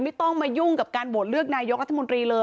ไม่ต้องมายุ่งกับการโหวตเรือกไนยกรัฐมนธรรมนรี